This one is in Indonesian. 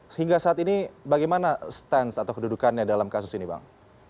sehingga saat ini bagaimana stance atau kedudukannya dalam kasus ini bang